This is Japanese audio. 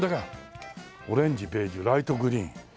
オレンジベージュライトグリーン。